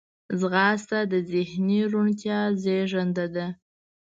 ځغاسته د ذهني روڼتیا زیږنده ده